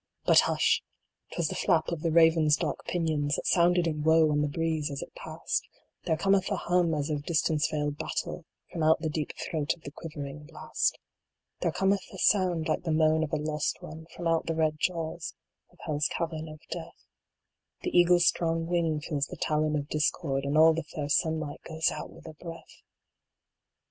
But hush ! Twas the flap of the raven s dark pinions That sounded in woe on the breeze as it passed ; There cometh a hum, as of distance veiled battle, From out the deep throat of the quivering blast ; There cometh a sound like the moan of a lost one From out the red jaws of Hell s cavern of Death ; The Eagle s strong wing feels the talon of Discord, And all the fair sunlight goes out with a breath